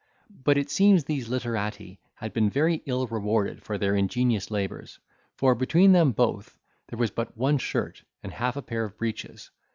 But it seems these literati had been very ill rewarded for their ingenious labours; for, between them both, there was but one shirt, and half a pair of breeches.